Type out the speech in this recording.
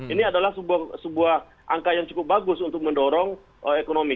ini adalah sebuah angka yang cukup bagus untuk mendorong ekonomi